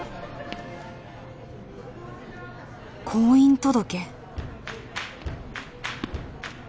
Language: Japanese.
婚姻届？